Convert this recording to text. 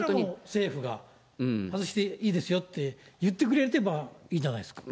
政府が、外していいですよって言ってくれればいいんじゃないですか。